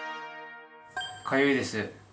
かゆいです。